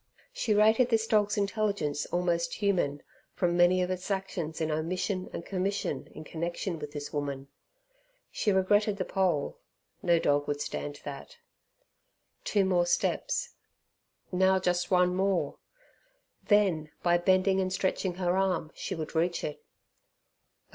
She rated this dog's intelligence almost human, from many of its actions in omission and commission in connection with this woman. She regretted the pole, no dog would stand that. Two more steps. Now just one more; then, by bending and stretching her arm, she would reach it.